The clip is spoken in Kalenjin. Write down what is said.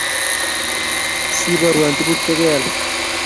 Siborwon tuguk chegeal